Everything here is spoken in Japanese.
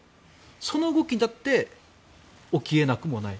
その動きだって起き得なくもない。